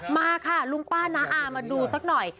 มาค่ะลุงป้าน้าอามาดูสักหน่อย